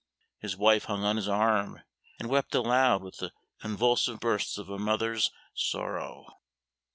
His wife hung on his arm, and wept aloud with the convulsive bursts of a mother's sorrow.